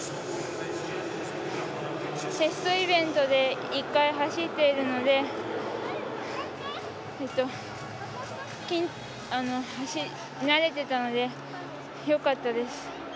テストイベントで１回、走っているので走り慣れていたのでよかったです。